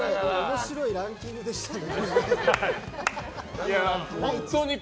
面白いランキングでしたね。